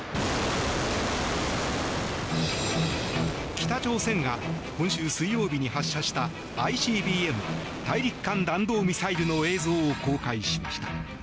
北朝鮮が今週水曜日に発射したＩＣＢＭ・大陸間弾道ミサイルの映像を公開しました。